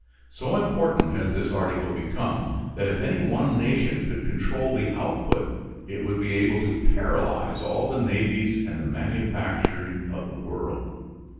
So important has this article become that if any one nation could control the output it would be able to paralyze all the navies and the manufacturing of the world.